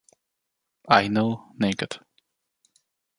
I know naked.